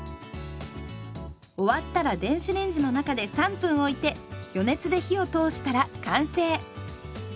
終わったら電子レンジの中で３分おいて余熱で火を通したら完成。